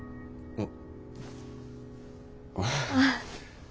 うん。